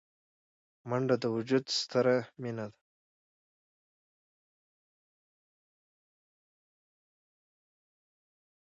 منډه د وجود سره مینه ده